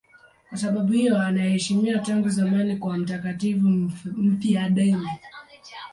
Kwa sababu hiyo anaheshimiwa tangu zamani kama mtakatifu mfiadini.